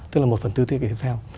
tức là một phần tư thiết kỷ tiếp theo